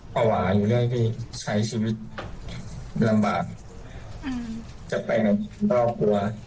ภาวะอยู่เรื่อยพี่ใช้ชีวิตลำบากจะไปกับครอบครัว